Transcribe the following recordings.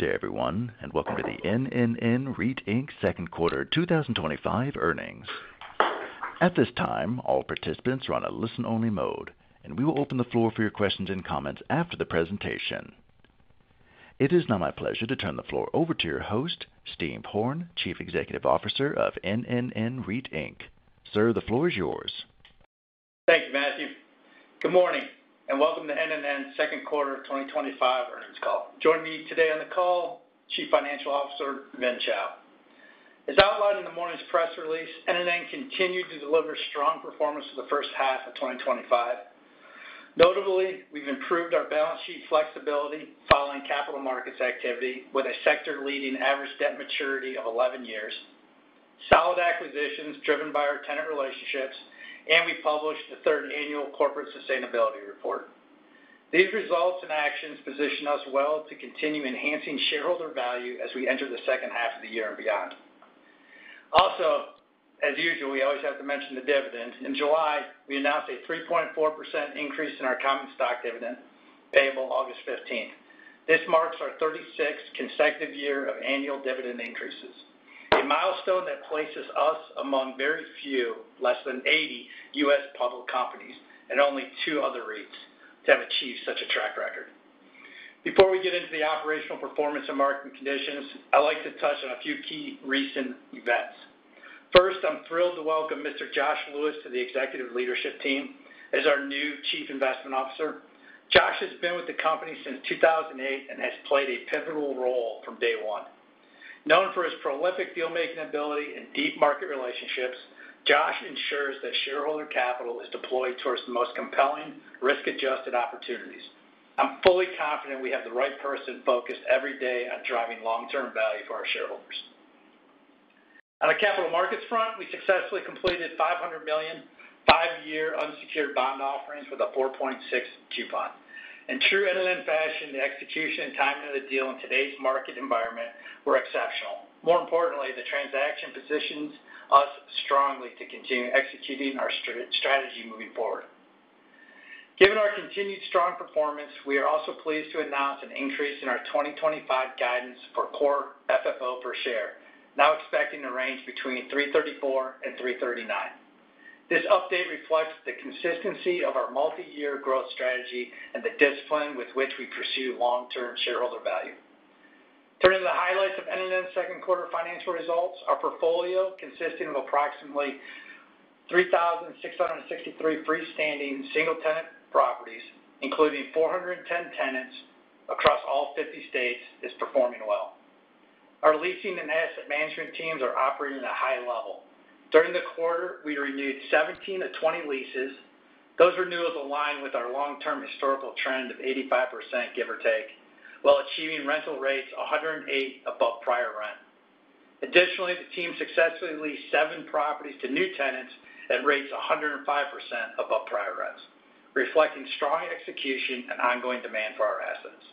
Good day, everyone, and welcome to the NNN REIT Inc. Second Quarter 2025 earnings. At this time, all participants are on a listen-only mode, and we will open the floor for your questions and comments after the presentation. It is now my pleasure to turn the floor over to your host, Steve Horn, Chief Executive Officer of NNN REIT Inc. Sir, the floor is yours. Thank you, Matthew. Good morning and welcome to NNN REIT Inc.'s Second Quarter 2025 earnings call. Joining me today on the call, Chief Financial Officer, Vincent H. Chao. As outlined in the morning's press release, NNN REIT Inc. continued to deliver strong performance for the first half of 2025. Notably, we've improved our balance sheet flexibility following capital markets activity, with a sector-leading average debt maturity of 11 years, solid acquisitions driven by our tenant relationships, and we published the third annual Corporate Sustainability Report. These results and actions position us well to continue enhancing shareholder value as we enter the second half of the year and beyond. Also, as usual, we always have to mention the dividend. In July, we announced a 3.4% increase in our common stock dividend, payable August 15. This marks our 36th consecutive year of annual dividend increases, a milestone that places us among very few, less than 80 U.S. public companies and only two other real estate investment trusts to have achieved such a track record. Before we get into the operational performance and market conditions, I'd like to touch on a few key recent events. First, I'm thrilled to welcome Mr. Josh Lewis to the executive leadership team as our new Chief Investment Officer. Josh has been with the company since 2008 and has played a pivotal role from day one. Known for his prolific dealmaking ability and deep market relationships, Josh ensures that shareholder capital is deployed towards the most compelling risk-adjusted opportunities. I'm fully confident we have the right person focused every day on driving long-term value for our shareholders. On the capital markets front, we successfully completed $500 million five-year unsecured bond offerings with a 4.6% coupon. In true NNN REIT Inc. fashion, the execution and timing of the deal in today's market environment were exceptional. More importantly, the transaction positions us strongly to continue executing our strategy moving forward. Given our continued strong performance, we are also pleased to announce an increase in our 2025 guidance for core FFO per share, now expecting to range between $3.34 and $3.39. This update reflects the consistency of our multi-year growth strategy and the discipline with which we pursue long-term shareholder value. Turning to the highlights of NNN REIT Inc.'s second quarter financial results, our portfolio, consisting of approximately 3,663 freestanding single-tenant properties, including 410 tenants across all 50 states, is performing well. Our leasing and asset management teams are operating at a high level. During the quarter, we renewed 17 of 20 leases. Those renewals align with our long-term historical trend of 85%, give or take, while achieving rental rates 108% above prior rent. Additionally, the team successfully leased seven properties to new tenants at rates 105% above prior rents, reflecting strong execution and ongoing demand for our assets.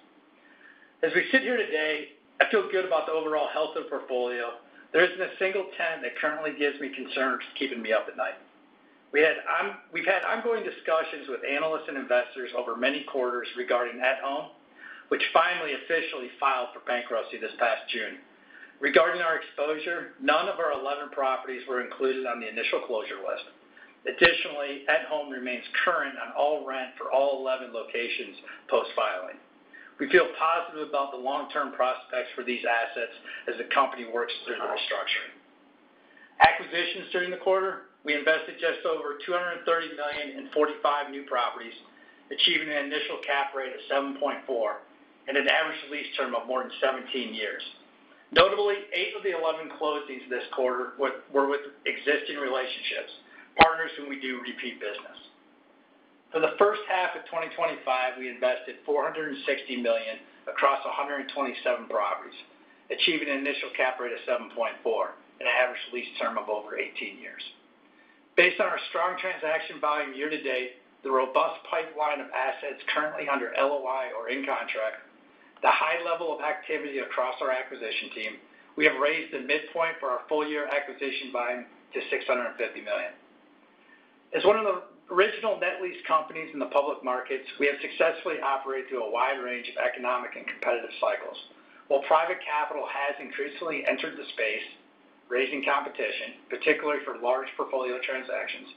As we sit here today, I feel good about the overall health of the portfolio. There isn't a single tenant that currently gives me concerns keeping me up at night. We've had ongoing discussions with analysts and investors over many quarters regarding @Home, which finally officially filed for bankruptcy this past June. Regarding our exposure, none of our 11 properties were included on the initial closure list. Additionally, @Home remains current on all rent for all 11 locations post-filing. We feel positive about the long-term prospects for these assets as the company works through the restructuring. Acquisitions during the quarter, we invested just over $230 million in 45 new properties, achieving an initial cap rate of 7.4% and an average lease term of more than 17 years. Notably, eight of the 11 closings this quarter were with existing relationships, partners whom we do repeat business. For the first half of 2024, we invested $460 million across 127 properties, achieving an initial cap rate of 7.4% and an average lease term of over 18 years. Based on our strong transaction volume year to date, the robust pipeline of assets currently under LOI or in contract, and the high level of activity across our acquisition team, we have raised the midpoint for our full-year acquisition volume to $650 million. As one of the original net lease companies in the public markets, we have successfully operated through a wide range of economic and competitive cycles. While private capital has increasingly entered the space, raising competition, particularly for large portfolio transactions,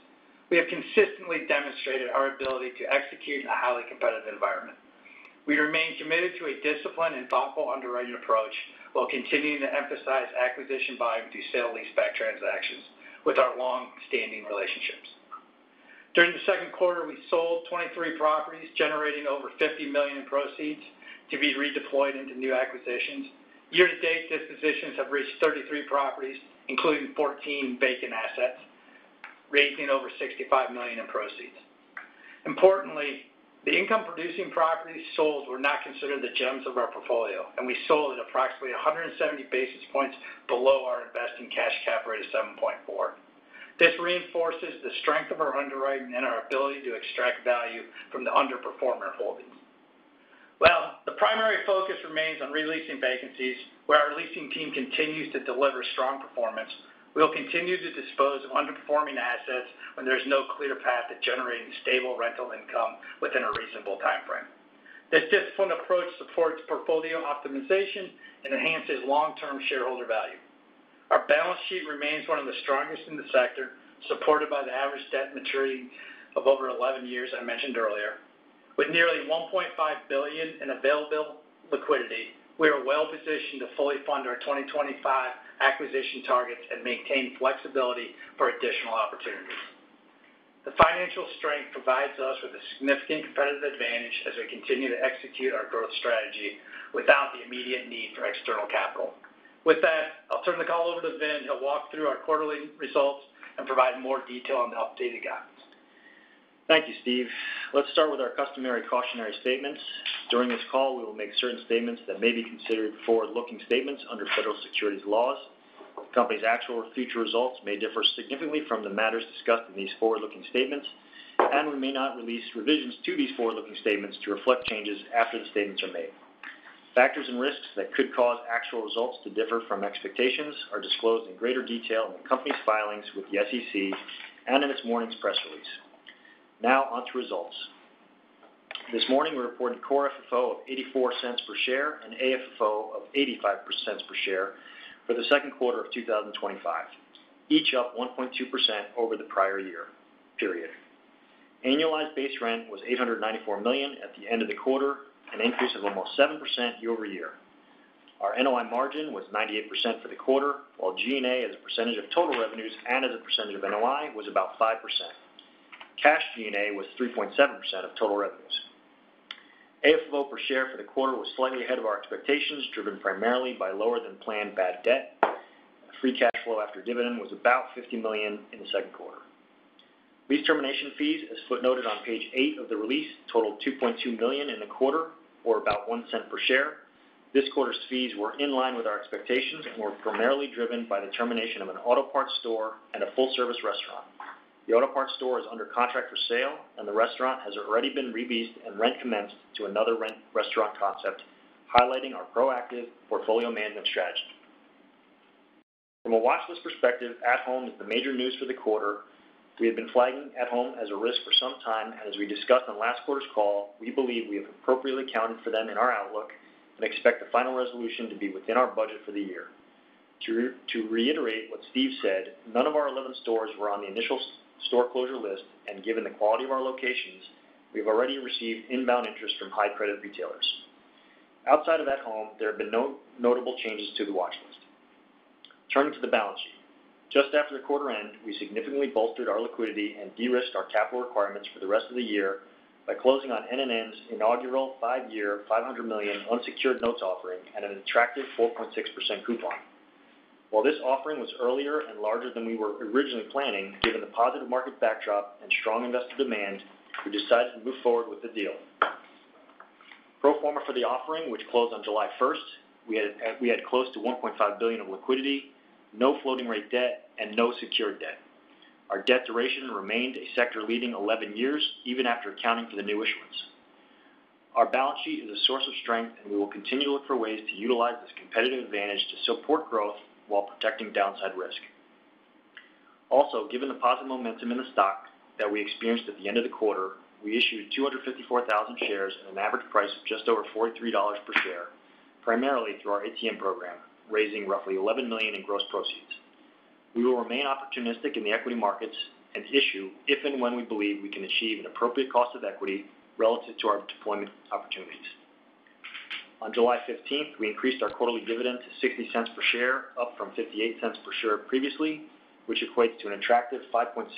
we have consistently demonstrated our ability to execute in a highly competitive environment. We remain committed to a disciplined and thoughtful underwriting approach, while continuing to emphasize acquisition volume through sale-leaseback transactions with our long-standing relationships. During the second quarter, we sold 23 properties, generating over $50 million in proceeds to be redeployed into new acquisitions. Year-to-date dispositions have reached 33 properties, including 14 vacant assets, raising over $65 million in proceeds. Importantly, the income-producing properties sold were not considered the gems of our portfolio, and we sold at approximately 170 basis points below our investing cash cap rate of 7.4%. This reinforces the strength of our underwriting and our ability to extract value from the underperforming holdings. While the primary focus remains on releasing vacancies, where our leasing team continues to deliver strong performance, we'll continue to dispose of underperforming assets when there is no clear path to generating stable rental income within a reasonable timeframe. This disciplined approach supports portfolio optimization and enhances long-term shareholder value. Our balance sheet remains one of the strongest in the sector, supported by the sector-leading average debt maturity of over 11 years I mentioned earlier. With nearly $1.5 billion in available liquidity, we are well positioned to fully fund our 2025 acquisition targets and maintain flexibility for additional opportunities. The financial strength provides us with a significant competitive advantage as we continue to execute our growth strategy without the immediate need for external capital. With that, I'll turn the call over to Vin. He'll walk through our quarterly results and provide more detail on the updated guidance. Thank you, Steve. Let's start with our customary cautionary statements. During this call, we will make certain statements that may be considered forward-looking statements under federal securities laws. The company's actual future results may differ significantly from the matters discussed in these forward-looking statements, and we may not release revisions to these forward-looking statements to reflect changes after the statements are made. Factors and risks that could cause actual results to differ from expectations are disclosed in greater detail in the company's filings with the SEC and in its morning's press release. Now on to results. This morning, we reported core FFO of $0.84 per share and AFFO of $0.85 per share for the second quarter of 2025, each up 1.2% over the prior year period. Annualized base rent was $894 million at the end of the quarter, an increase of almost 7% year-over-year. Our NOI margin was 98% for the quarter, while G&A as a percentage of total revenues and as a percentage of NOI was about 5%. Cash G&A was 3.7% of total revenues. AFFO per share for the quarter was slightly ahead of our expectations, driven primarily by lower-than-planned bad debt. Free cash flow after dividend was about $50 million in the second quarter. Lease termination fees, as footnoted on page eight of the release, totaled $2.2 million in the quarter, or about $0.01 per share. This quarter's fees were in line with our expectations and were primarily driven by the termination of an auto parts store and a full-service restaurant. The auto parts store is under contract for sale, and the restaurant has already been relet and rent commenced to another restaurant concept, highlighting our proactive portfolio management strategy. From a watchlist perspective, @Home is the major news for the quarter. We have been flagging @Home as a risk for some time, and as we discussed on last quarter's call, we believe we have appropriately accounted for them in our outlook and expect the final resolution to be within our budget for the year. To reiterate what Steve said, none of our 11 stores were on the initial store closure list, and given the quality of our locations, we have already received inbound interest from high-credit retailers. Outside of @Home, there have been no notable changes to the watchlist. Turning to the balance sheet. Just after the quarter ended, we significantly bolstered our liquidity and de-risked our capital requirements for the rest of the year by closing on NNN REIT Inc.'s inaugural five-year $500 million unsecured notes offering at an attractive 4.6% coupon. While this offering was earlier and larger than we were originally planning, given the positive market backdrop and strong investor demand, we decided to move forward with the deal. Pro forma for the offering, which closed on July 1, we had close to $1.5 billion of liquidity, no floating rate debt, and no secured debt. Our debt duration remained a sector-leading 11 years, even after accounting for the new issuance. Our balance sheet is a source of strength, and we will continue to look for ways to utilize this competitive advantage to support growth while protecting downside risk. Also, given the positive momentum in the stock that we experienced at the end of the quarter, we issued 254,000 shares at an average price of just over $43 per share, primarily through our ATM program, raising roughly $11 million in gross proceeds. We will remain opportunistic in the equity markets and issue if and when we believe we can achieve an appropriate cost of equity relative to our deployment opportunities. On July 15, we increased our quarterly dividend to $0.60 per share, up from $0.58 per share previously, which equates to an attractive 5.6%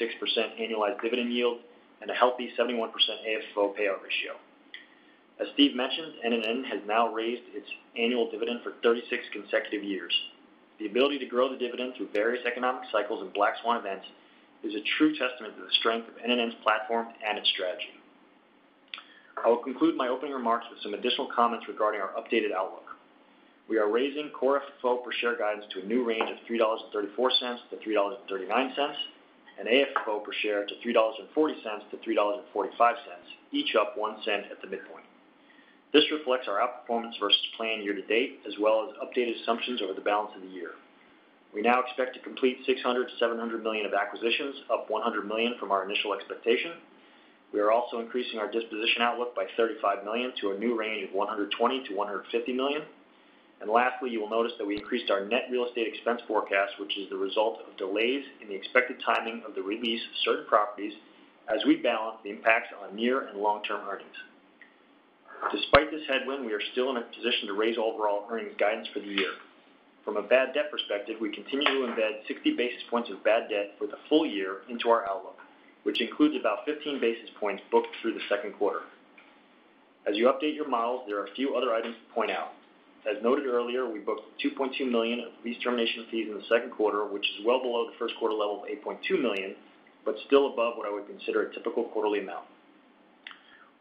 annualized dividend yield and a healthy 71% AFFO payout ratio. As Steve Horn mentioned, NNN REIT Inc. has now raised its annual dividend for 36 consecutive years. The ability to grow the dividend through various economic cycles and black swan events is a true testament to the strength of NNN REIT Inc.'s platform and its strategy. I will conclude my opening remarks with some additional comments regarding our updated outlook. We are raising core FFO per share guidance to a new range of $3.34-$3.39 and AFFO per share to $3.40-$3.45, each up $0.01 at the midpoint. This reflects our outperformance versus plan year to date, as well as updated assumptions over the balance of the year. We now expect to complete $600 million-$700 million of acquisitions, up $100 million from our initial expectation. We are also increasing our disposition outlook by $35 million to a new range of $120 million-$150 million. Lastly, you will notice that we increased our net real estate expense forecast, which is the result of delays in the expected timing of the release of certain properties as we balance the impacts on near and long-term earnings. Despite this headwind, we are still in a position to raise overall earnings guidance for the year. From a bad debt perspective, we continue to embed 60 basis points of bad debt for the full year into our outlook, which includes about 15 basis points booked through the second quarter. As you update your models, there are a few other items to point out. As noted earlier, we booked $2.2 million of lease termination fees in the second quarter, which is well below the first quarter level of $8.2 million, but still above what I would consider a typical quarterly amount.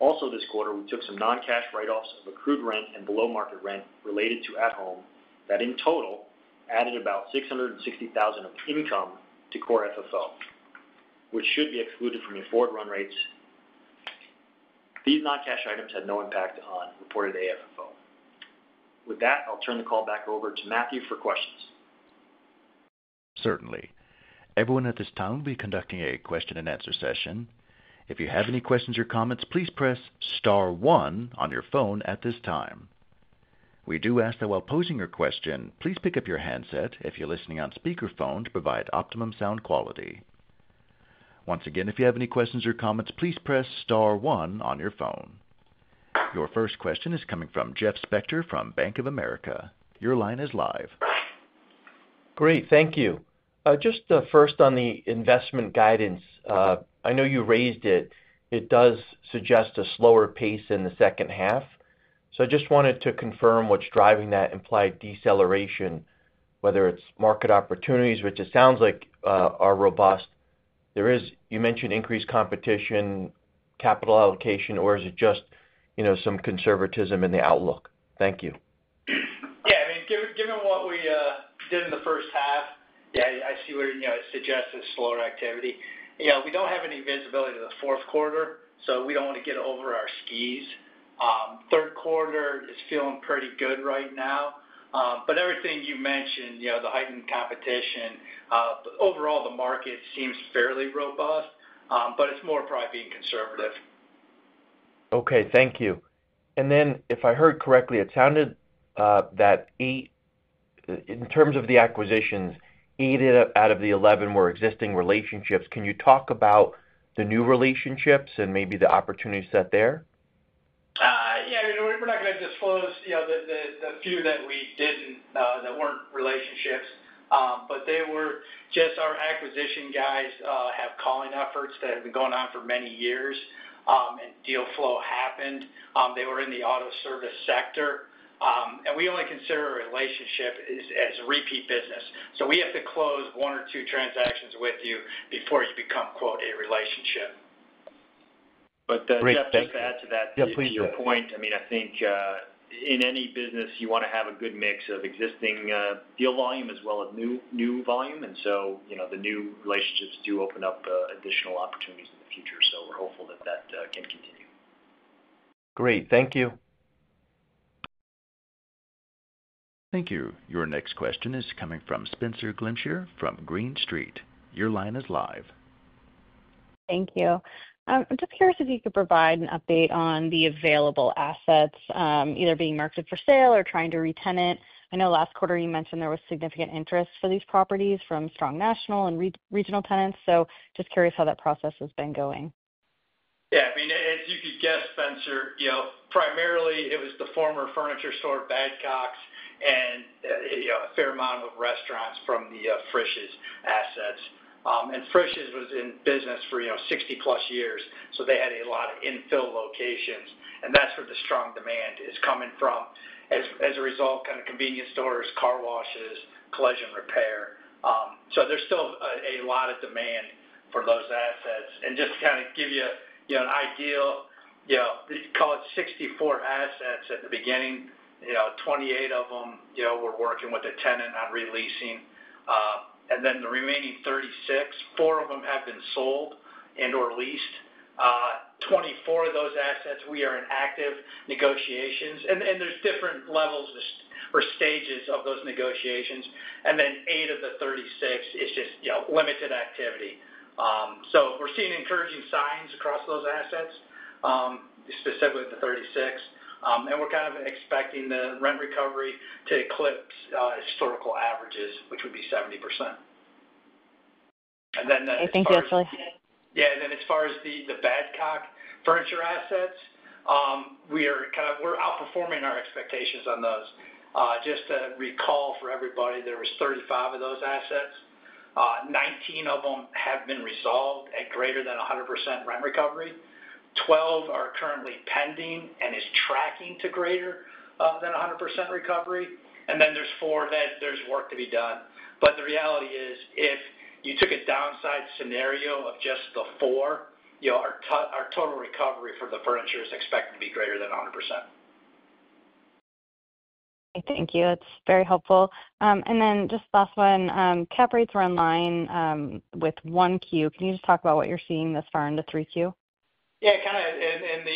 Also, this quarter, we took some non-cash write-offs of accrued rent and below-market rent related to @Home that in total added about $660,000 of income to core FFO, which should be excluded from your forward run rates. These non-cash items had no impact on reported AFFO. With that, I'll turn the call back over to Matthew for questions. Certainly. Everyone, at this time, we'll be conducting a question-and-answer session. If you have any questions or comments, please press star one on your phone at this time. We do ask that while posing your question, please pick up your handset if you're listening on speakerphone to provide optimum sound quality. Once again, if you have any questions or comments, please press star one on your phone. Your first question is coming from Jeffrey Alan Spector from BofA Securities. Your line is live. Great, thank you. Just the first on the investment guidance, I know you raised it. It does suggest a slower pace in the second half. I just wanted to confirm what's driving that implied deceleration, whether it's market opportunities, which it sounds like are robust. You mentioned increased competition, capital allocation, or is it just some conservatism in the outlook? Thank you. Yeah, I mean, given what we did in the first half, I see where it suggests a slower activity. We don't have any visibility to the fourth quarter, so we don't want to get over our skis. Third quarter is feeling pretty good right now. Everything you mentioned, the heightened competition, overall the market seems fairly robust, but it's more probably being conservative. Thank you. If I heard correctly, it sounded that eight, in terms of the acquisitions, eight out of the 11 were existing relationships. Can you talk about the new relationships and maybe the opportunity set there? Yeah, I mean, we're not going to disclose, you know, the few that we didn't, that weren't relationships, but they were just our acquisition guys' calling efforts that have been going on for many years, and deal flow happened. They were in the auto service sector. We only consider a relationship as repeat business, so we have to close one or two transactions with you before you become, quote, a relationship. Jeff, just to add to that, to your point, I think in any business, you want to have a good mix of existing deal volume as well as new volume. The new relationships do open up additional opportunities in the future. We're hopeful that that can continue. Great, thank you. Thank you. Your next question is coming from Spenser Bowes Glimcher from Green Street Advisors LLC. Your line is live. Thank you. I'm just curious if you could provide an update on the available assets, either being marketed for sale or trying to re-tenant. I know last quarter you mentioned there was significant interest for these properties from strong national and regional tenants. I'm just curious how that process has been going. Yeah, I mean, as you could guess, Spenser, primarily it was the former furniture store Badcocks and a fair amount of restaurants from the Frisch's assets. Frisch's was in business for 60+ years, so they had a lot of infill locations. That's where the strong demand is coming from. As a result, kind of convenience stores, car washes, collision repair. There's still a lot of demand for those assets. Just to give you an idea, we'd call it 64 assets at the beginning. 28 of them, we're working with the tenant on releasing. The remaining 36, four of them have been sold and/or leased. 24 of those assets, we are in active negotiations, and there's different levels or stages of those negotiations. Eight of the 36 is just limited activity. We're seeing encouraging signs across those assets, specifically the 36, and we're kind of expecting the rent recovery to eclipse historical averages, which would be 70%. Thank you, actually. Yeah, and then as far as the Badcock furniture assets, we are kind of, we're outperforming our expectations on those. Just to recall for everybody, there were 35 of those assets. 19 of them have been resolved at greater than 100% rent recovery. 12 are currently pending and are tracking to greater than 100% recovery. There are four that there's work to be done. The reality is, if you took a downside scenario of just the four, our total recovery for the furniture is expected to be greater than 100%. Thank you. That's very helpful. Just the last one, cap rates were in line with one Q. Can you just talk about what you're seeing this far in the 3Q? Yeah, in the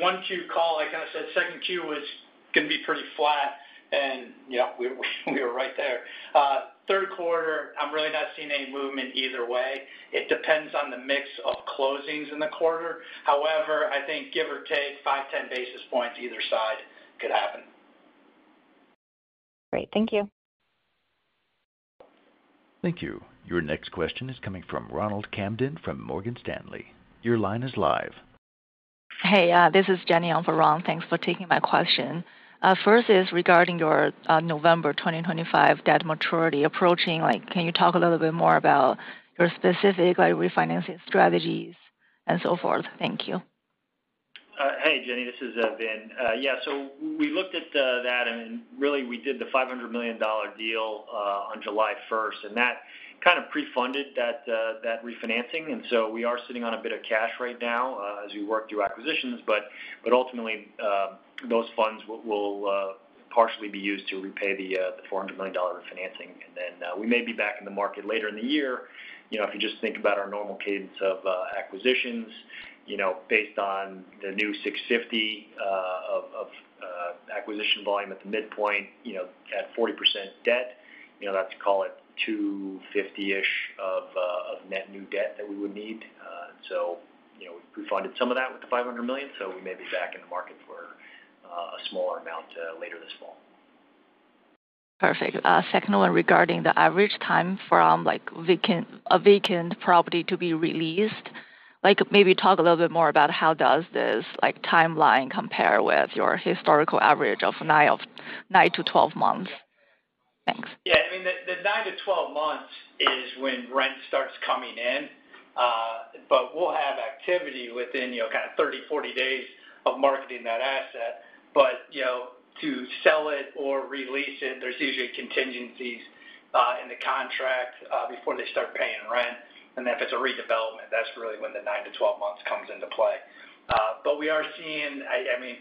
first quarter call, I said second quarter was going to be pretty flat. Yep, we were right there. Third quarter, I'm really not seeing any movement either way. It depends on the mix of closings in the quarter. However, I think give or take 5 basis points, 10 basis points either side could happen. Great, thank you. Thank you. Your next question is coming from Ronald Camden from Morgan Stanley. Your line is live. Hey, this is Jenny over Ron. Thanks for taking my question. First is regarding your November 2025 debt maturity approaching. Can you talk a little bit more about your specific refinancing strategies and so forth? Thank you. Hey, Jenny, this is Vin. Yeah, so we looked at that. I mean, really, we did the $500 million deal on July 1, and that kind of pre-funded that refinancing. We are sitting on a bit of cash right now as we work through acquisitions. Ultimately, those funds will partially be used to repay the $400 million refinancing. We may be back in the market later in the year. If you just think about our normal cadence of acquisitions, based on the new $650 million of acquisition volume at the midpoint, at 40% debt, that's, call it, $250 million-ish of net new debt that we would need. We've pre-funded some of that with the $500 million. We may be back in the market for a smaller amount later this fall. Perfect. Second one, regarding the average time from like a vacant property to be released, maybe talk a little bit more about how does this like timeline compare with your historical average of nine to 12 months. Thanks. Yeah, I mean, the nine to 12 months is when rent starts coming in. We'll have activity within, you know, kind of 30, 40 days of marketing that asset. To sell it or release it, there's usually contingencies in the contract before they start paying rent. If it's a redevelopment, that's really when the nine to 12 months comes into play. We are seeing, I mean,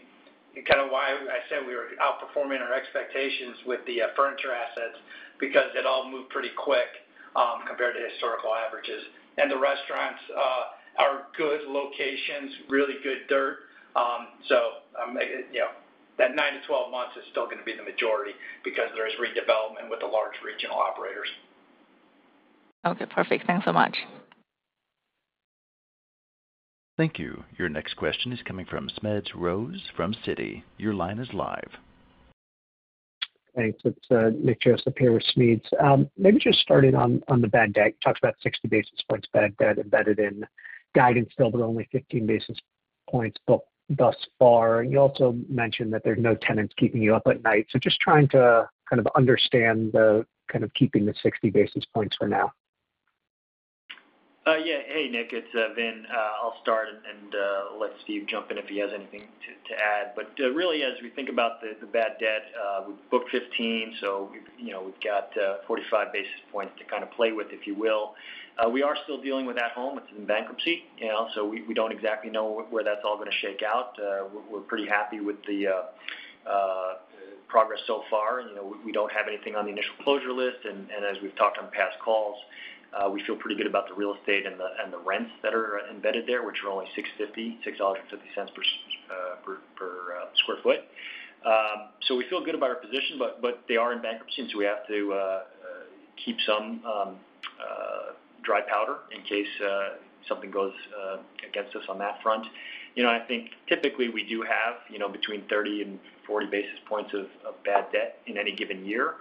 kind of why I said we were outperforming our expectations with the furniture assets because it all moved pretty quick compared to historical averages. The restaurants are good locations, really good dirt. That nine to 12 months is still going to be the majority because there's redevelopment with the large regional operators. Okay, perfect. Thanks so much. Thank you. Your next question is coming from Smedes Rose from Citigroup Inc. Your line is live. Thanks. It's Nicholas Gregory Joseph here with Smedes. Maybe just starting on the bad debt. You talked about 60 basis points of bad debt embedded in guidance, but only 15 basis points thus far. You also mentioned that there's no tenants keeping you up at night. Just trying to kind of understand the kind of keeping the 60 basis points for now. Yeah, hey Nick, it's Vin. I'll start and let Steve jump in if he has anything to add. Really, as we think about the bad debt, we booked 15. We've got 45 basis points to kind of play with, if you will. We are still dealing with @Home. It's in bankruptcy, so we don't exactly know where that's all going to shake out. We're pretty happy with the progress so far. We don't have anything on the initial closure list. As we've talked on past calls, we feel pretty good about the real estate and the rents that are embedded there, which are only $6.50 PSF. We feel good about our position, but they are in bankruptcy. We have to keep some dry powder in case something goes against us on that front. I think typically we do have between 30 basis points and 40 basis points of bad debt in any given year.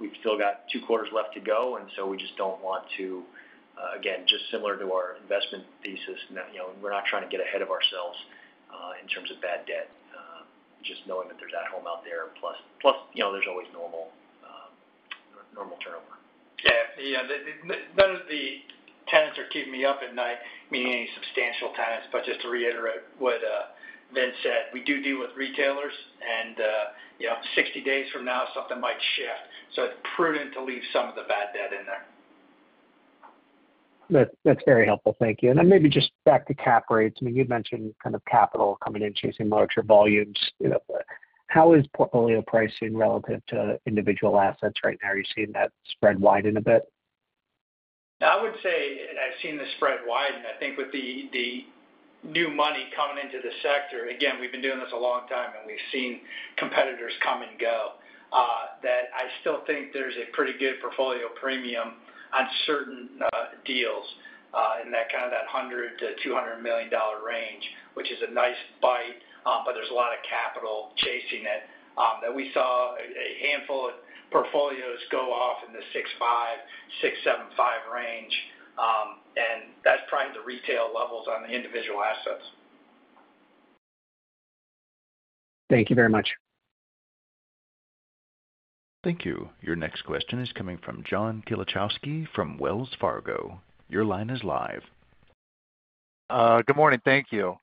We've still got two quarters left to go. We just don't want to, again, just similar to our investment thesis, we're not trying to get ahead of ourselves in terms of bad debt, just knowing that there's @Home out there. Plus, there's always normal turnover. Yeah, none of the tenants are keeping me up at night, meaning any substantial tenants, just to reiterate what Vin said, we do deal with retailers. You know, 60 days from now, something might shift. It is prudent to leave some of the bad debt in there. That's very helpful. Thank you. Maybe just back to cap rates. You'd mentioned kind of capital coming in, chasing larger volumes. How is portfolio pricing relative to individual assets right now? Are you seeing that spread widen a bit? I would say I've seen the spread widen. I think with the new money coming into the sector, we've been doing this a long time, and we've seen competitors come and go. I still think there's a pretty good portfolio premium on certain deals in that $100 million-$200 million range, which is a nice bite, but there's a lot of capital chasing it. We saw a handful of portfolios go off in the $65 million-$67.5 million range, and that's probably the retail levels on the individual assets. Thank you very much. Thank you. Your next question is coming from William John Kilichowski from Wells Fargo Securities LLC. Your line is live. Good morning. Thank you.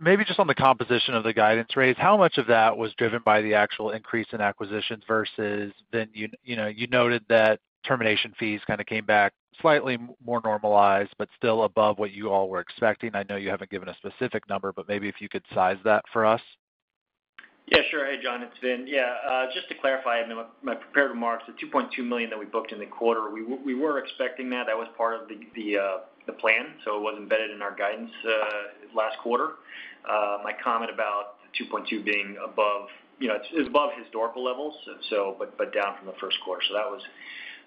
Maybe just on the composition of the guidance rates, how much of that was driven by the actual increase in acquisitions versus then, you know, you noted that termination fees kind of came back slightly more normalized, but still above what you all were expecting. I know you haven't given a specific number, but maybe if you could size that for us. Yeah, sure. Hey John, it's Vin. Just to clarify, in my prepared remarks, the $2.2 million that we booked in the quarter, we were expecting that. That was part of the plan. It was embedded in our guidance last quarter. My comment about the $2.2 million being above, you know, it's above historical levels, but down from the first quarter. That was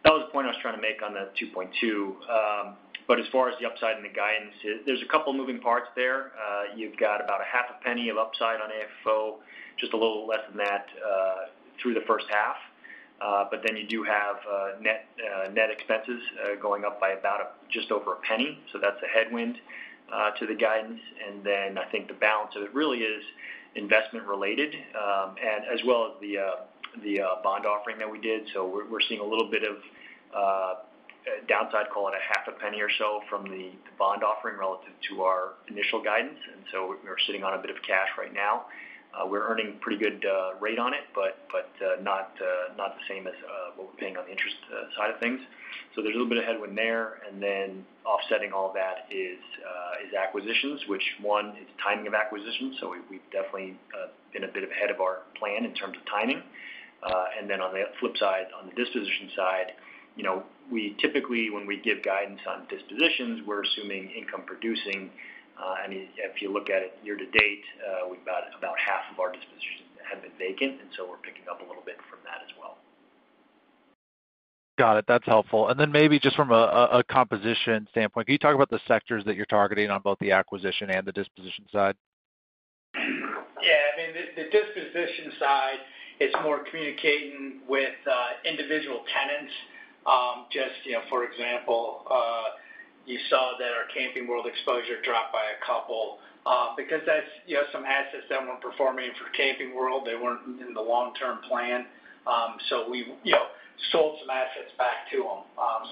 the point I was trying to make on the $2.2 million. As far as the upside in the guidance, there's a couple of moving parts there. You've got about half a penny of upside on AFFO, just a little less than that through the first half. You do have net net expenses going up by just over a penny. That's a headwind to the guidance. I think the balance of it really is investment-related, as well as the bond offering that we did. We're seeing a little bit of downside, call it half a penny or so from the bond offering relative to our initial guidance. We're sitting on a bit of cash right now. We're earning a pretty good rate on it, but not the same as what we're paying on the interest side of things. There's a little bit of headwind there. Offsetting all of that is acquisitions, which, one, it's timing of acquisition. We've definitely been a bit ahead of our plan in terms of timing. On the flip side, on the disposition side, we typically, when we give guidance on dispositions, we're assuming income producing. If you look at it year to date, we've got about half of our dispositions that have been vacant. We're picking up a little bit from that as well. Got it. That's helpful. Maybe just from a composition standpoint, can you talk about the sectors that you're targeting on both the acquisition and the disposition side? Yeah, I mean, the disposition side, it's more communicating with individual tenants. For example, you saw that our Camping World exposure dropped by a couple because that's some assets that weren't performing for Camping World. They weren't in the long-term plan. We sold some assets back to them.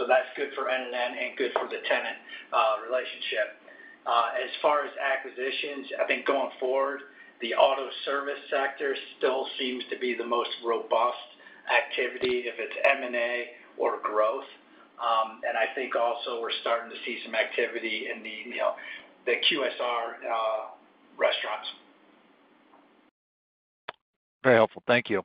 That's good for NNN REIT Inc. and good for the tenant relationship. As far as acquisitions, I think going forward, the auto service sector still seems to be the most robust activity if it's M&A or growth. I think also we're starting to see some activity in the QSR restaurants. Very helpful. Thank you.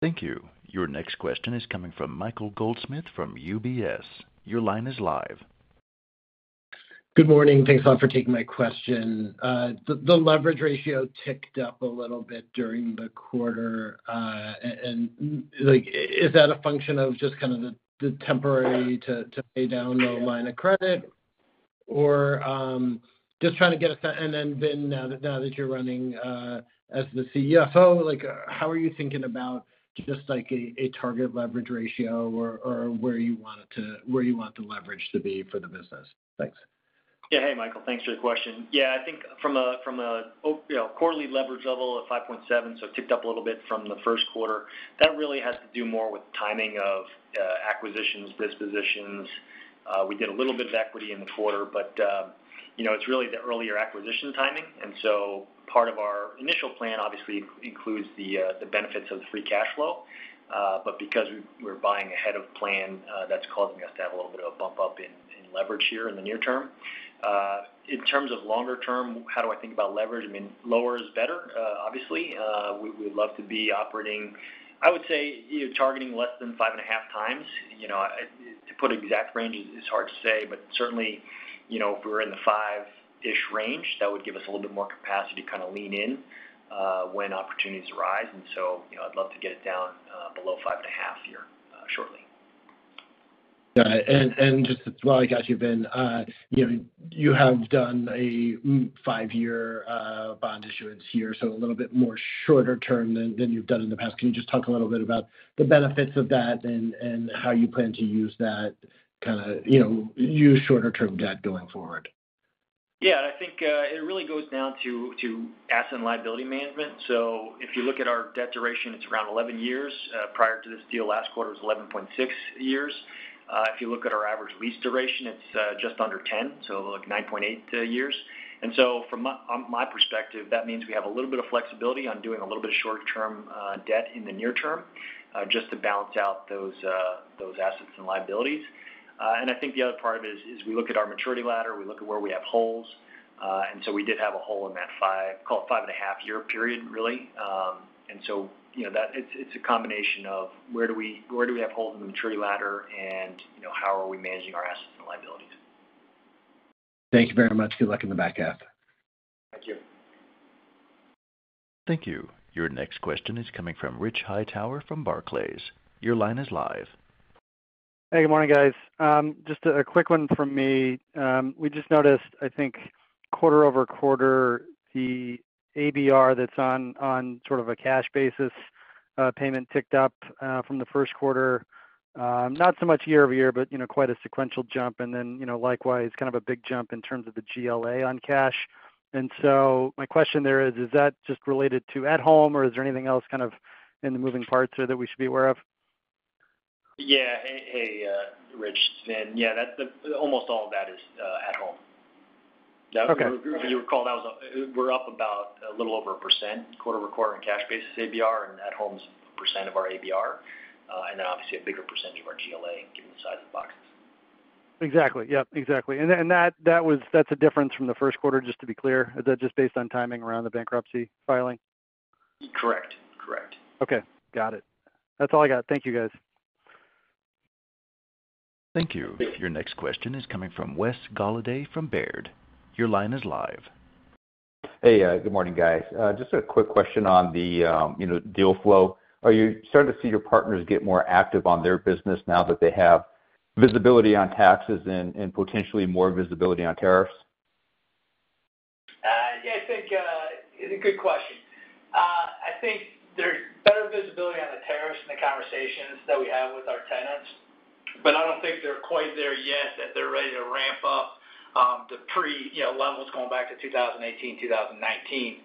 Thank you. Your next question is coming from Michael Goldsmith from UBS Investment Bank. Your line is live. Good morning. Thanks a lot for taking my question. The leverage ratio ticked up a little bit during the quarter. Is that a function of just kind of the temporary to pay down the line of credit, or just trying to get a sense? Vin, now that you're running as the Chief Financial Officer, how are you thinking about just like a target leverage ratio or where you want it to, where you want the leverage to be for the business? Thanks. Yeah, hey Michael, thanks for the question. I think from a quarterly leverage level of 5.7, it ticked up a little bit from the first quarter. That really has to do more with the timing of acquisitions, dispositions. We did a little bit of equity in the quarter, but it's really the earlier acquisition timing. Part of our initial plan obviously includes the benefits of free cash flow. Because we're buying ahead of plan, that's causing us to have a little bit of a bump up in leverage here in the near term. In terms of longer term, how do I think about leverage? Lower is better, obviously. We would love to be operating, I would say, targeting less than 5.5 times. To put exact ranges, it's hard to say, but certainly, if we were in the five-ish range, that would give us a little bit more capacity to kind of lean in when opportunities arise. I'd love to get it down below 5.5 here shortly. Got it. Just to throw it at you, Vin, you have done a five-year bond issuance here, so a little bit more shorter term than you've done in the past. Can you just talk a little bit about the benefits of that and how you plan to use that kind of, you know, use shorter-term debt going forward? Yeah, I think it really goes down to asset and liability management. If you look at our debt duration, it's around 11 years. Prior to this deal, last quarter was 11.6 years. If you look at our average lease duration, it's just under 10, so like 9.8 years. From my perspective, that means we have a little bit of flexibility on doing a little bit of short-term debt in the near term just to balance out those assets and liabilities. The other part of it is we look at our maturity ladder, we look at where we have holes. We did have a hole in that five, call it five and a half year period, really. It's a combination of where do we have holes in the maturity ladder and how are we managing our assets and liabilities. Thank you very much. Good luck in the back half. Thank you. Thank you. Your next question is coming from Richard Allen Hightower from Barclays Bank PLC. Your line is live. Hey, good morning, guys. Just a quick one from me. We just noticed, I think, quarter-over-quarter, the ABR that's on sort of a cash basis payment ticked up from the first quarter. Not so much year-over-year, but, you know, quite a sequential jump. Likewise, kind of a big jump in terms of the GLA on cash. My question there is, is that just related to @Home or is there anything else kind of in the moving parts there that we should be aware of? Yeah, hey Rich, that's almost all of that is @Home. If you recall, that was, we're up about a little over 1% quarter-over-quarter in cash basis ABR and @Home's percent of our ABR. Obviously, a bigger percent of our GLA getting inside of the boxes. Exactly. Exactly. That was a difference from the first quarter, just to be clear. Is that just based on timing around the bankruptcy filing? Correct, correct. Okay, got it. That's all I got. Thank you, guys. Thank you. Your next question is coming from Wesley Keith Golladay from Robert W. Baird & Co. Incorporated. Your line is live. Hey, good morning, guys. Just a quick question on the deal flow. Are you starting to see your partners get more active on their business now that they have visibility on taxes and potentially more visibility on tariffs? Yeah, I think it's a good question. I think there's better visibility on the tariffs and the conversations that we have with our tenants. I don't think they're quite there yet that they're ready to ramp up the pre, you know, levels going back to 2018, 2019.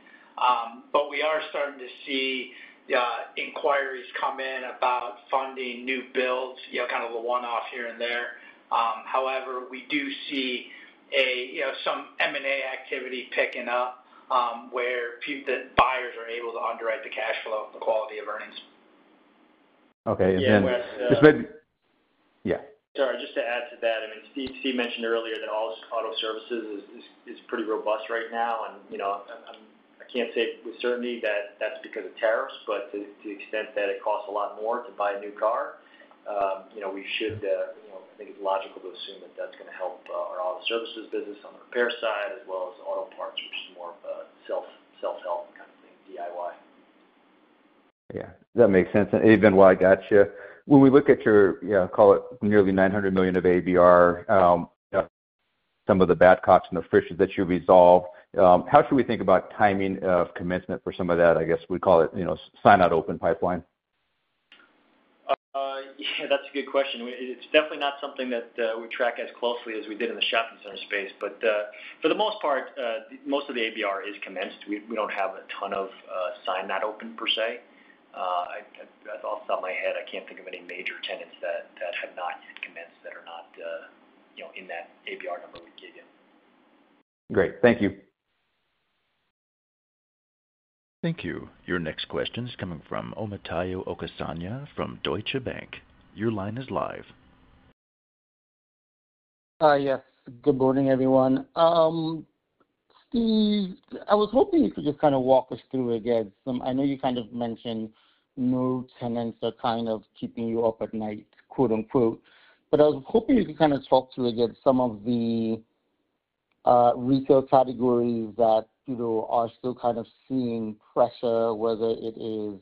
We are starting to see, you know, inquiries come in about funding new builds, kind of the one-offs here and there. However, we do see some M&A activity picking up where the buyers are able to underwrite the cash flow. Quality of earnings. Okay, just to add to that, I mean, Steve mentioned earlier that all auto services is pretty robust right now. I can't say with certainty that that's because of tariffs, but to the extent that it costs a lot more to buy a new car, I think it's logical to assume that that's going to help our auto services business on the repair side as well as auto parts, which is more of a self-help kind of thing, DIY. Yeah, that makes sense. While I got you, when we look at your, you know, call it nearly $900 million of annualized base rent, some of the Badcocks and the Frisch's that you resolve, how should we think about timing of commencement for some of that, I guess we call it, you know, sign-out open pipeline? Yeah, that's a good question. It's definitely not something that we track as closely as we did in the shopping center space. For the most part, most of the annualized base rent is commenced. We don't have a ton of signed-out open per se. Off the top of my head, I can't think of any major tenants that have not yet commenced that are not, you know, in that annualized base rent number we gave you. Great, thank you. Thank you. Your next question is coming from Omotayo Tejumade Okusanya from Deutsche Bank AG. Your line is live. Hi, yeah, good morning everyone. Steve, I was hoping you could just kind of walk us through again. I know you kind of mentioned no tenants are kind of keeping you up at night, quote unquote. I was hoping you could kind of talk through again some of the retail categories that are still kind of seeing pressure, whether it is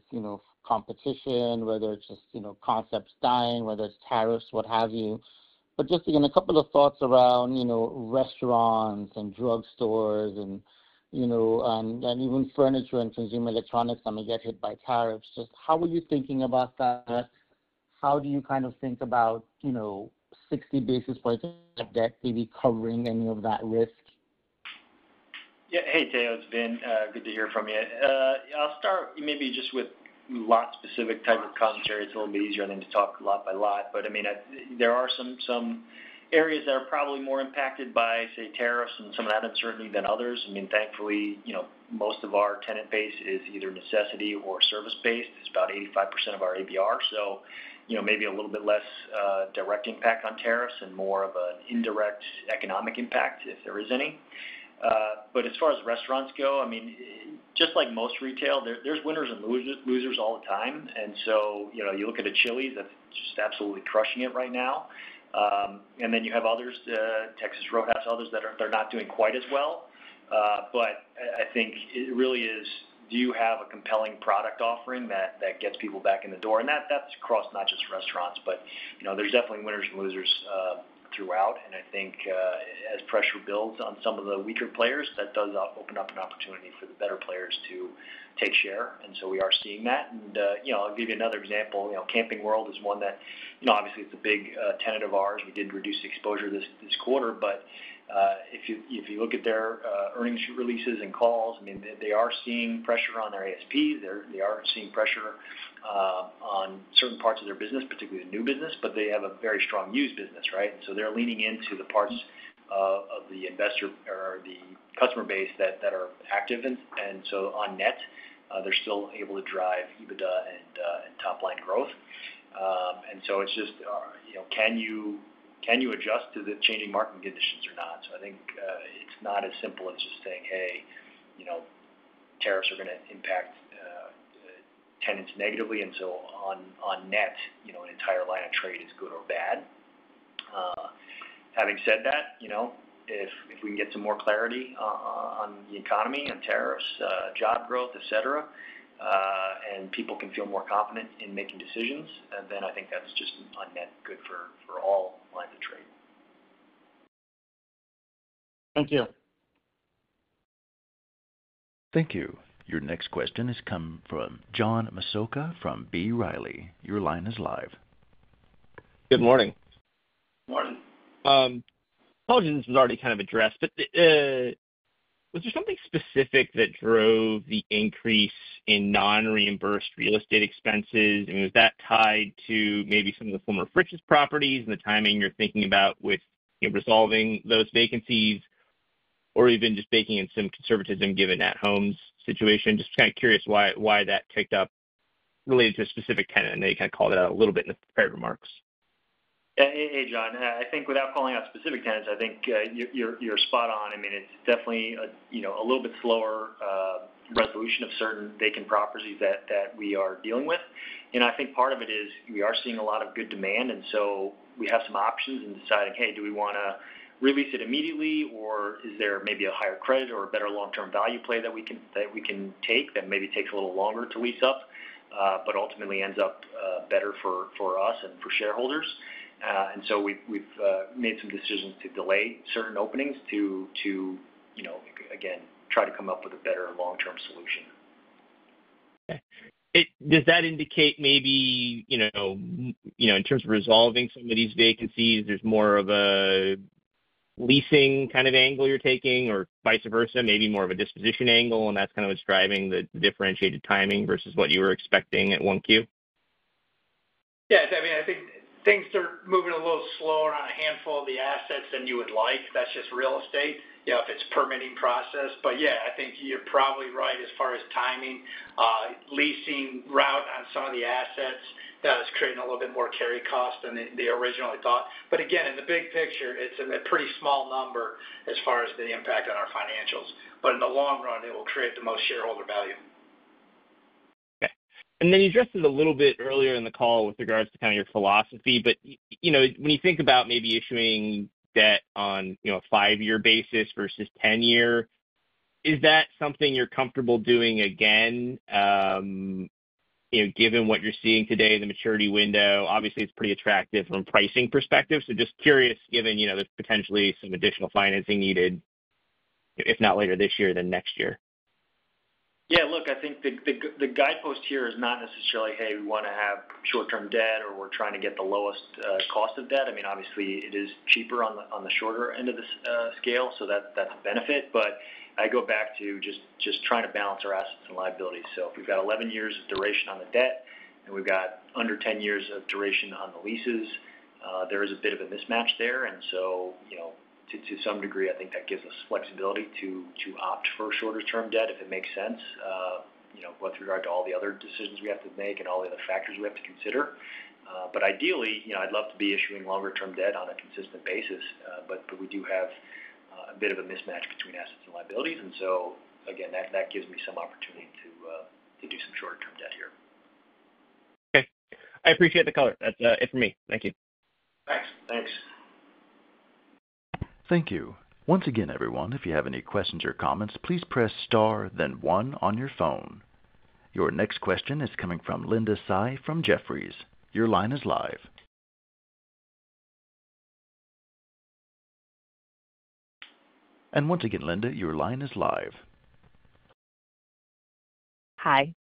competition, whether it's just concepts dying, whether it's tariffs, what have you. Just to get a couple of thoughts around restaurants and drug stores and even furniture and consumer electronics that may get hit by tariffs. How are you thinking about that? How do you kind of think about 60 basis points of debt maybe covering any of that risk? Yeah, hey Jay, it's Vin. Good to hear from you. I'll start maybe just with a lot specific type of commentary. It's a little bit easier than to talk a lot by lot. There are some areas that are probably more impacted by, say, tariffs and some of that uncertainty than others. Thankfully, most of our tenant base is either necessity or service-based. It's about 85% of our annualized base rent. Maybe a little bit less direct impact on tariffs and more of an indirect economic impact if there is any. As far as restaurants go, just like most retail, there's winners and losers all the time. You look at the Chili's that's just absolutely crushing it right now. Then you have others, Texas Roadhouse, others that are not doing quite as well. I think it really is, do you have a compelling product offering that gets people back in the door? That's across not just restaurants, but there's definitely winners and losers throughout. I think as pressure builds on some of the weaker players, that does open up an opportunity for the better players to take share. We are seeing that. I'll give you another example. Camping World is one that, obviously it's a big tenant of ours. We didn't reduce the exposure this quarter, but if you look at their earnings releases and calls, they are seeing pressure on their ASP. They are seeing pressure on certain parts of their business, particularly the new business, but they have a very strong used business, right? They are leaning into the parts of the investor or the customer base that are active. On net, they're still able to drive EBITDA and top line growth. It's just, can you adjust to the changing marketing conditions or not? I think it's not as simple as just saying, hey, tariffs are going to impact tenants negatively. On net, an entire line of trade is good or bad. Having said that, if we can get some more clarity on the economy, on tariffs, job growth, etc., and people can feel more confident in making decisions, then I think that's just a net good for all lines of trade. Thank you. Thank you. Your next question has come from John James Massocca from B. Riley Securities. Your line is live. Good morning. Apologies. This was already kind of addressed, but was there something specific that drove the increase in non-reimbursed real estate expenses? I mean, was that tied to maybe some of the former Frisch's properties and the timing you're thinking about with resolving those vacancies or even just making it some conservatism given that @Home situation? Just kind of curious why that picked up related to a specific tenant, and they kind of called it out a little bit in the prior remarks. Yeah, hey John, I think without calling out specific tenants, I think you're spot on. I mean, it's definitely a little bit slower resolution of certain vacant properties that we are dealing with. I think part of it is we are seeing a lot of good demand, so we have some options in deciding, hey, do we want to release it immediately, or is there maybe a higher credit or a better long-term value play that we can take that maybe takes a little longer to lease up, but ultimately ends up better for us and for shareholders. We've made some decisions to delay certain openings to, you know, again, try to come up with a better long-term solution. Okay. Does that indicate maybe, you know, in terms of resolving some of these vacancies, there's more of a leasing kind of angle you're taking or vice versa, maybe more of a disposition angle, and that's kind of what's driving the differentiated timing versus what you were expecting at 1Q? Yeah, I mean, I think things are moving a little slower on a handful of the assets than you would like. That's just real estate, you know, if it's permitting process. I think you're probably right as far as timing. Leasing route on some of the assets, that is creating a little bit more carry cost than they originally thought. Again, in the big picture, it's a pretty small number as far as the impact on our financials. In the long run, it will create the most shareholder value. Okay. You addressed this a little bit earlier in the call with regards to kind of your philosophy, but when you think about maybe issuing debt on a five-year basis versus 10-year, is that something you're comfortable doing again? Given what you're seeing today, the maturity window, obviously it's pretty attractive from a pricing perspective. Just curious, given that's potentially some additional financing needed, if not later this year, then next year. Yeah, look, I think the guidepost here is not necessarily, hey, we want to have short-term debt or we're trying to get the lowest cost of debt. I mean, obviously it is cheaper on the shorter end of the scale, so that's a benefit. I go back to just trying to balance our assets and liabilities. If we've got 11 years of duration on the debt and we've got under 10 years of duration on the leases, there is a bit of a mismatch there. To some degree, I think that gives us flexibility to opt for shorter-term debt if it makes sense, with regard to all the other decisions we have to make and all the other factors we have to consider. Ideally, I'd love to be issuing longer-term debt on a consistent basis. We do have a bit of a mismatch between assets and liabilities, so again, that gives me some opportunity to do some shorter-term debt here. Okay. I appreciate the color. That's it for me. Thank you. Thanks. Thanks. Thank you. Once again, everyone, if you have any questions or comments, please press star then one on your phone. Your next question is coming from Linda Tsai from Jefferies LLC. Your line is live. Once again, Linda, your line is live. Hi,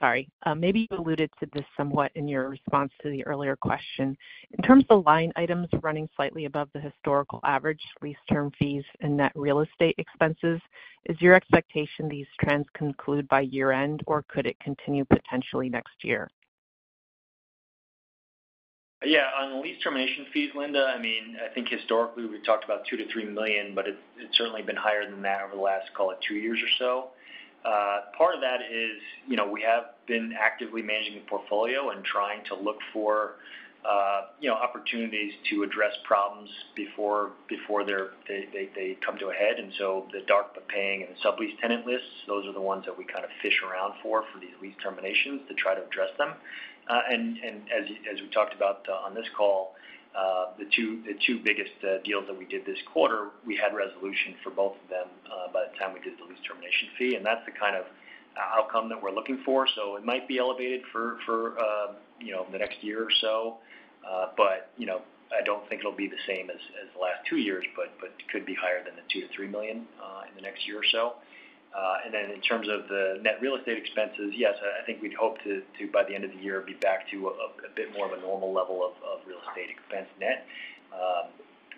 sorry. Maybe you alluded to this somewhat in your response to the earlier question. In terms of line items running slightly above the historical average, lease term fees and net real estate expenses, is your expectation these trends conclude by year-end or could it continue potentially next year? Yeah, on lease termination fees, Linda, I mean, I think historically we've talked about $2 million-$3 million, but it's certainly been higher than that over the last, call it, two years or so. Part of that is, you know, we have been actively managing the portfolio and trying to look for, you know, opportunities to address problems before they come to a head. The dark bepaying and the sublease tenant lists, those are the ones that we kind of fish around for, for these lease terminations to try to address them. As we talked about on this call, the two biggest deals that we did this quarter, we had resolution for both of them by the time we did the lease termination fee. That's the kind of outcome that we're looking for. It might be elevated for, you know, the next year or so. I don't think it'll be the same as the last two years, but it could be higher than the $2 million-$3 million in the next year or so. In terms of the net real estate expenses, yes, I think we'd hope to, by the end of the year, be back to a bit more of a normal level of real estate expense net,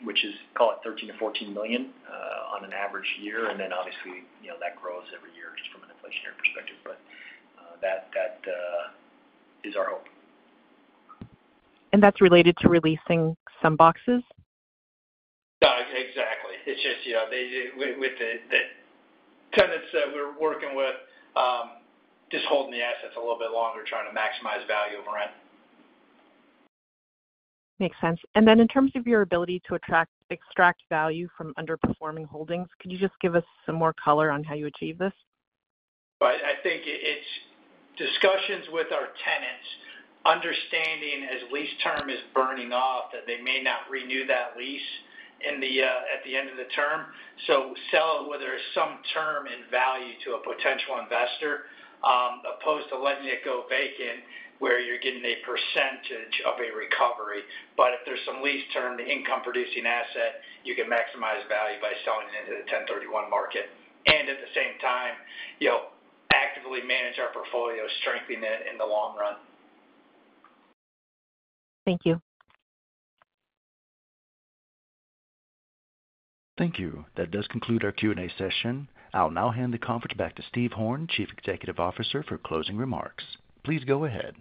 which is, call it, $13 million-$14 million on an average year. Obviously, you know, that grows every year from an inflationary perspective. That is our hope. That's related to releasing some boxes? Exactly. It's just, you know, with the tenants that we're working with, just holding the assets a little bit longer, trying to maximize value over rent. Makes sense. In terms of your ability to extract value from underperforming holdings, could you just give us some more color on how you achieve this? I think it's discussions with our tenants, understanding as lease term is burning off, that they may not renew that lease at the end of the term. Sell whether there's some term in value to a potential investor, opposed to letting it go vacant where you're getting a percentage of a recovery. If there's some lease term, the income-producing asset, you can maximize value by selling it into the 1031 market. At the same time, you know, actively manage our portfolio, strengthening it in the long run. Thank you. Thank you. That does conclude our Q&A session. I'll now hand the conference back to Steve Horn, Chief Executive Officer, for closing remarks. Please go ahead.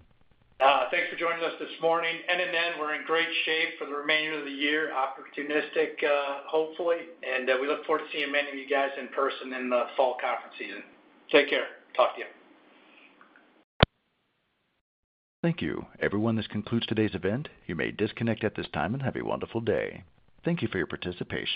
Thanks for joining us this morning. NNN REIT Inc., we're in great shape for the remainder of the year, opportunistic, hopefully. We look forward to seeing many of you guys in person in the fall conference season. Take care. Talk to you. Thank you. Everyone, this concludes today's event. You may disconnect at this time and have a wonderful day. Thank you for your participation.